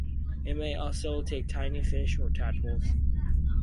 It may also take tiny fish or tadpoles.